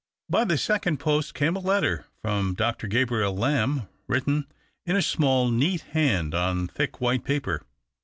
By the second post came a letter from Dr. Gabriel Lamb, written in a small neat hand on thick white paper.